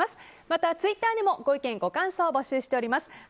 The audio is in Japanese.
またツイッターでもご意見、ご感想を募集しています。